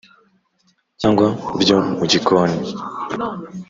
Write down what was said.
cyangwa byo mu gikoni.